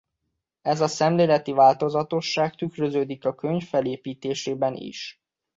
Ez a szemléleti változatosság tükröződik a könyv felépítésében is.